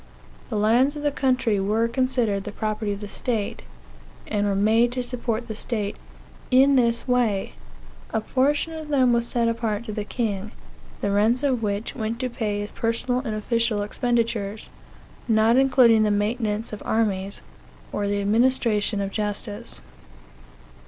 The lands of the country were considered the property of the state, and were made to support the state in this way: A portion of them was set apart to the king, the rents of which went to pay his personal and official expenditures, not including the maintenance of armies, or the administration of justice.